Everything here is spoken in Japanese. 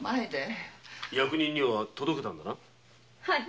役人には届けたんだな。